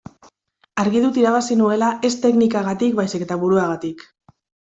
Argi dut irabazi nuela ez teknikagatik baizik eta buruagatik.